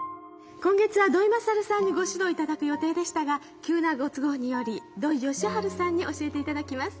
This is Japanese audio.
今月は土井勝さんにご指導頂く予定でしたが急なご都合により土井善晴さんに教えて頂きます。